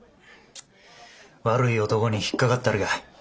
悪い男に引っ掛かったりか？